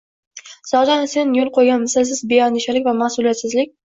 —… zotan, sen yo‘l qo‘ygan mislsiz beandishalik va mas’uliyatsizlik